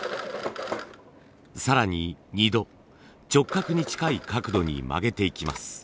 更に２度直角に近い角度に曲げていきます。